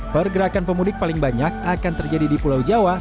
pergerakan pemudik paling banyak akan terjadi di pulau jawa